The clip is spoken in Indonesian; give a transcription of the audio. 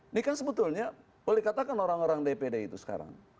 ini kan sebetulnya boleh dikatakan orang orang dpd itu sekarang